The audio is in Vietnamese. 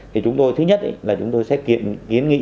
thì chúng tôi thứ nhất là chúng tôi sẽ kiện kiến nghị